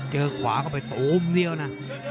เจอขวาเข้าไปตูมเดียวนะ